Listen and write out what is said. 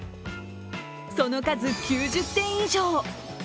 その数、９０点以上。